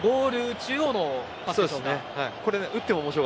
中央のパスでしょうか。